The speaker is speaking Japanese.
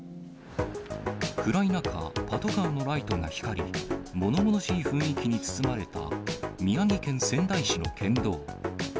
暗い中、パトカーのライトが光り、ものものしい雰囲気に包まれた、宮城県仙台市の県道。